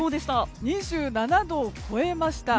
２７度を超えました。